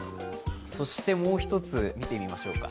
そしてもう１つ、見ていきましょうか。